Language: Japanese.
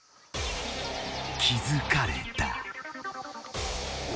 ［気付かれた］